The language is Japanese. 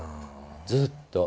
ずっと。